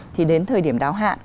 thì đến thời điểm đáo hạn